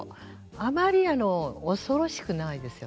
あまり恐ろしくないですよね。